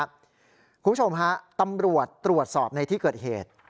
คุณผู้ชมฮะตำรวจตรวจสอบในที่เกิดเหตุ